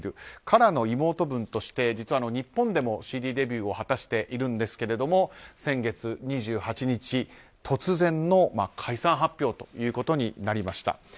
ＫＡＲＡの妹分として日本でもＣＤデビューを果たしているんですが先月２８日、突然の解散発表ということになりました。